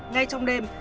ngay trong đêm